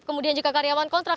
kemudian juga karyawan kontrak